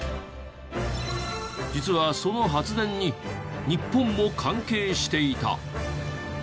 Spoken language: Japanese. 実はその発電に日本も関係していた。